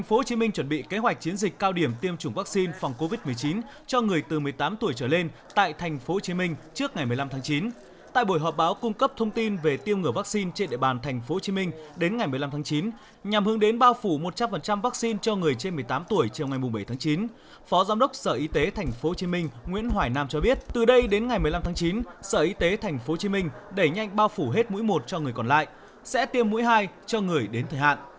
phó giám đốc sở y tế thành phố hồ chí minh nguyễn hoài nam cho biết từ đây đến ngày một mươi năm tháng chín sở y tế thành phố hồ chí minh đẩy nhanh bao phủ hết mũi một cho người còn lại sẽ tiêm mũi hai cho người đến thời hạn